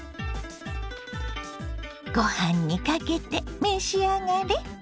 ご飯にかけて召し上がれ。